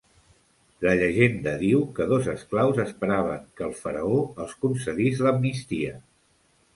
La llegenda diu que dos esclaus esperaven que el faraó els concedís l'amnistia.